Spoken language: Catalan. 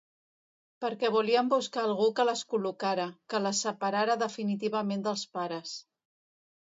Perquè volien buscar algú que les col·locara, que les separara definitivament dels pares!